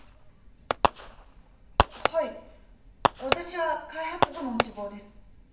はい私は開発部門志望です。